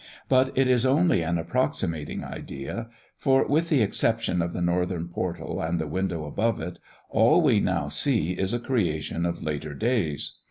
But it is only an approximating idea, for with the exception of the northern portal and the window above it, all we now see is a creation of later days.